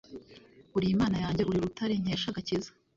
uri Imana yanjye uri urutare nkesha agakiza’